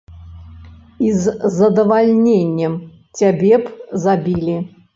І з задавальненнем цябе б забілі.